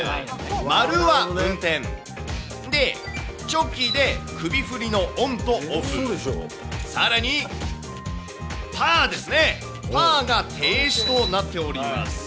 丸は運転、チョキで首振りのオンとオフ、さらに、パーですね、パーが停止となっております。